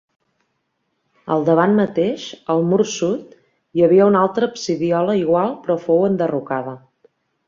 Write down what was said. Al davant mateix, al mur sud, hi havia una altra absidiola igual però fou enderrocada.